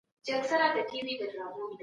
که غواړې چي پوه سې نو تجربه وکړه.